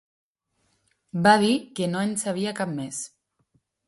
va dir que no en sabia cap més